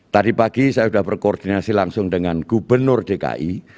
tadi pagi saya sudah berkoordinasi langsung dengan gubernur dki